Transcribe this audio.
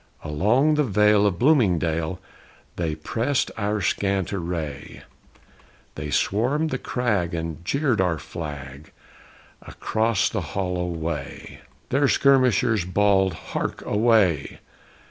Along the vale of Bloomingdale They pressed our scant array; They swarmed the crag and jeered our flag Across the Hollow Way. Their skirmishers bawled "Hark, away!"